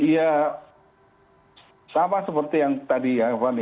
ya sama seperti yang tadi ya fani